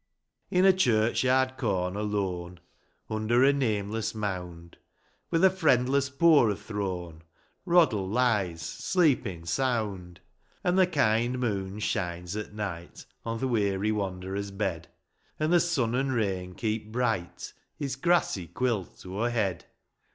In a churchyard corner lone, Under a nameless mound, Where the friendless poor are thrown, Roddle lies sleepin' sound : And the kind moon shines at night On the weary wanderer's bed, And the sun and the rain keep bright His grassy quilt o'erhead.